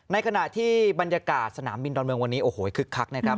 ในขณะที่บรรยากาศสนามบินดอนเมืองวันนี้โอ้โหคึกคักนะครับ